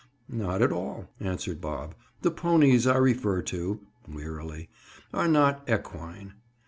"Not at all," answered Bob. "The ponies I refer to," wearily, "are not equine."